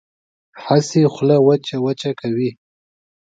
هسې خوله وچه وچه کوي.